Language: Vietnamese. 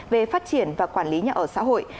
về phát triển và quản lý nhà ở xã hội